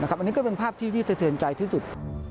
อันนี้ก็เป็นภาพที่สะเทือนใจที่สุด